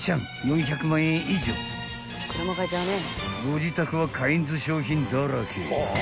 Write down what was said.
［ご自宅はカインズ商品だらけ］